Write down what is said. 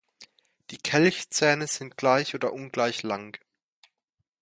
Die Kelchzähne sind gleich oder ungleich lang.